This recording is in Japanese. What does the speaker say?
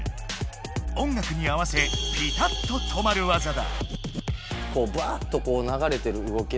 音楽に合わせピタッと止まる技だ。